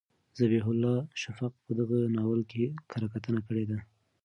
ذبیح الله شفق په دغه ناول کره کتنه کړې ده.